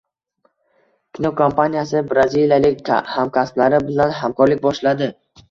Kinokompaniyasi braziliyalik hamkasblari bilan hamkorlik boshladi